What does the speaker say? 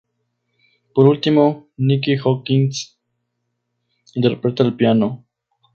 Por último, Nicky Hopkins interpreta el piano.